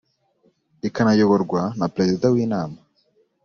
Ikanayoborwa na perezida w inama